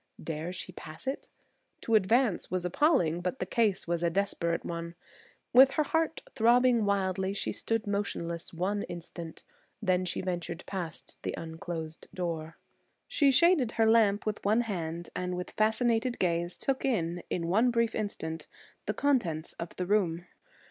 Dare she pass it? To advance was appalling, but the case was a desperate one. With her heart throbbing wildly she stood motionless one instant, then she ventured past the unclosed door. She shaded her lamp with one hand and with fascinated gaze took in, in one brief instant, the contents of the room.